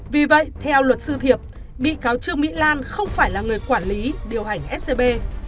vì vậy theo luật sư thiệp bị cáo trương mỹ lan không phải là người quản lý điều hành scb